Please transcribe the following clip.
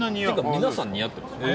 皆さん、似合ってます。